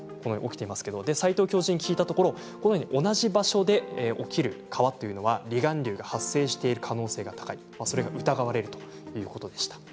斎藤教授に聞いたところ同じ場所で起きる川というのは離岸流が発生している可能性が高いそれが疑われるということでした。